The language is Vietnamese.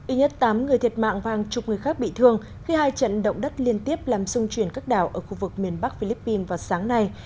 ít nhất tám người thiệt mạng và hàng chục người khác bị thương khi hai trận động đất liên tiếp làm sung truyền các đảo ở khu vực miền bắc philippines vào sáng nay